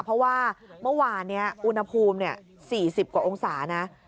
เพราะว่าเมื่อวานนี้อุณหภูมิ๔๐กว่าองศานะ